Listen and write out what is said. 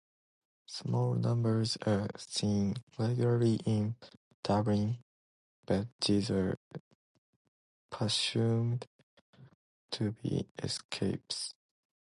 Small numbers are seen regularly in Dublin, but these are presumed to be escapes.